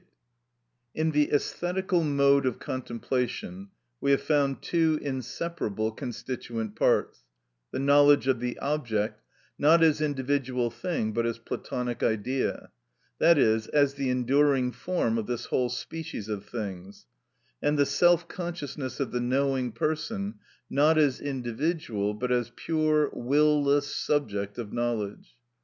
§ 38. In the æsthetical mode of contemplation we have found two inseparable constituent parts—the knowledge of the object, not as individual thing but as Platonic Idea, that is, as the enduring form of this whole species of things; and the self consciousness of the knowing person, not as individual, but as pure will less subject of knowledge.